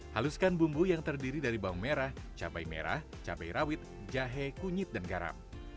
haluskan bumbu yang terdiri dari bawang merah cabai merah cabai rawit jahe kunyit dan garam